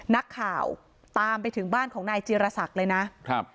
นักข่าวตามไปถึงบ้านของนายจีรศักดิ์เลยนะครับ